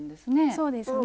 そうですね。